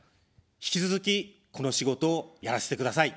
引き続き、この仕事をやらせてください。